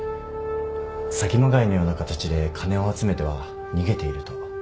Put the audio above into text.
詐欺まがいのような形で金を集めては逃げていると